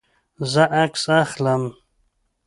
زه عکس اخلم